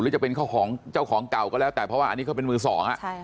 จะเป็นเจ้าของเจ้าของเก่าก็แล้วแต่เพราะว่าอันนี้เขาเป็นมือสอง